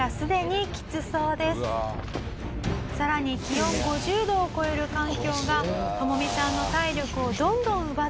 さらに気温５０度を超える環境がトモミさんの体力をどんどん奪っていきます。